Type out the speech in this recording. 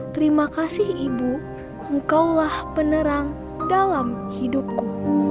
terima kasih ibu engkaulah penerang dalam hidupku